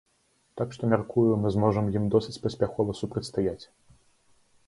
Так што, мяркую, мы зможам ім досыць паспяхова супрацьстаяць.